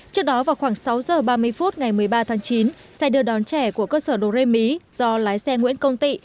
trước đó vào khoảng sáu giờ ba mươi phút ngày một mươi ba tháng chín xe đưa đón trẻ của cơ sở đồ rê mí do lái xe nguyễn công tị